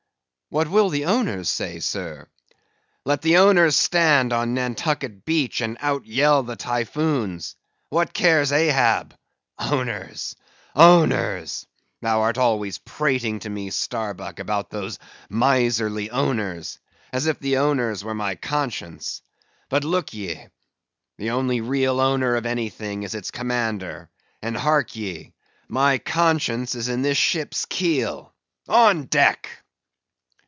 "What will the owners say, sir?" "Let the owners stand on Nantucket beach and outyell the Typhoons. What cares Ahab? Owners, owners? Thou art always prating to me, Starbuck, about those miserly owners, as if the owners were my conscience. But look ye, the only real owner of anything is its commander; and hark ye, my conscience is in this ship's keel.—On deck!"